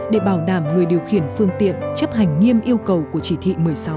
để bảo đảm người điều khiển phương tiện chấp hành nghiêm yêu cầu của chỉ thị một mươi sáu